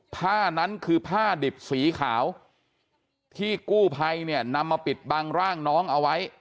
ผ้านั้นคือผ้าดิบสีขาวที่กู้ภัยเนี่ยนำมาปิดบังร่างน้องเอาไว้